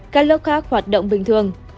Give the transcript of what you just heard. các lớp khác hoạt động bình thường